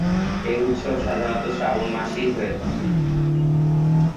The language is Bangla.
এই উৎসব সাধারণত শ্রাবণ মাসেই হয়ে থাকে।